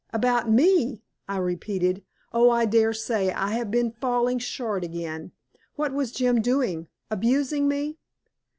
"About me!" I repeated. "Oh, I dare say I have been falling short again. What was Jim doing? Abusing me?"